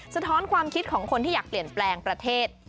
สะท้อนความคิดของคนที่อยากเปลี่ยนแปลงประเทศ